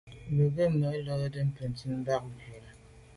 Bə̌k gə̀ mə́ lódə́ bə̀ncìn mbā bū cʉ lá.